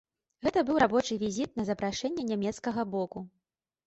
Гэта быў рабочы візіт на запрашэнне нямецкага боку.